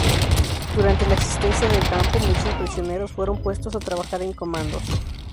Durante la existencia del campo, muchos prisioneros fueron puestos a trabajar en comandos.